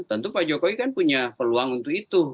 tentu pak jokowi kan punya peluang untuk itu